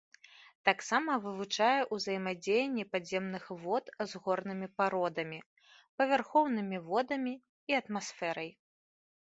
Таксама вывучае узаемадзеянне падземных вод з горнымі пародамі, павярхоўнымі водамі і атмасферай.